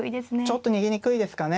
ちょっと逃げにくいですかね。